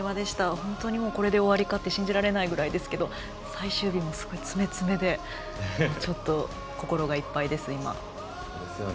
本当に、これで終わりかと信じられないぐらいですけど最終日もすごい詰め詰めでちょっと心がいっぱいです、今。